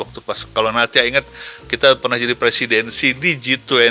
kalau nath ya ingat kita pernah jadi presidensi di g dua puluh